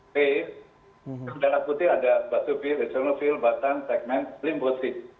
di dalam putih ada vasopil resonofil batang segmen limbosid